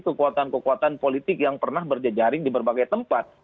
kekuatan kekuatan politik yang pernah berjejaring di berbagai tempat